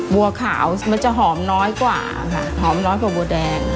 บัวขาวมันจะหอมน้อยกว่าค่ะหอมน้อยกว่าบัวแดง